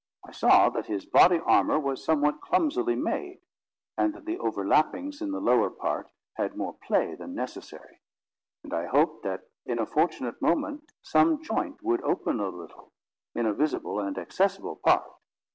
I saw that his body armour was somewhat clumsily made, and that the overlappings in the lower part had more play than necessary; and I hoped that, in a fortunate moment, some joint would open a little, in a visible and accessible part.